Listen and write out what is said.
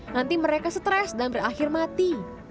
nanti mereka stres dan berakhir mati